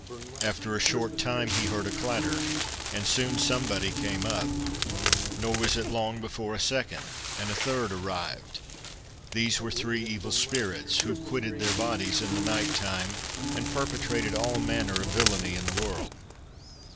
After a short time he heard a clatter, and soon somebody came up; nor was it long before a second and a third arrived. These were three evil spirits, who quitted their bodies in the night time, and perpetrated all manner of villainy in the world.